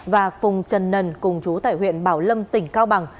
và phùng trần nần cùng chú tại huyện bảo lâm tỉnh cao bằng